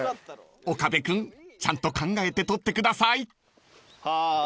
［岡部君ちゃんと考えて撮ってください］は一周した。